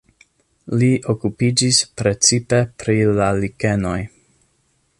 Li okupiĝis precipe pri la likenoj.